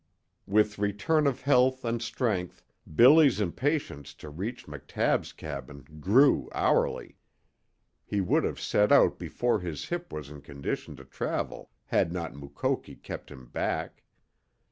With return of health and strength Billy's impatience to reach McTabb's cabin grew hourly. He would have set out before his hip was in condition to travel had not Mukoki kept him back.